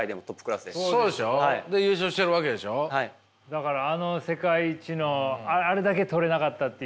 だからあの世界一のあれだけ取れなかったっていう。